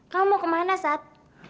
kamu mau kemana sat